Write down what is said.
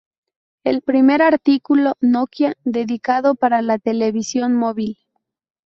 Es el Primer artículo Nokia dedicado para la televisión móvil.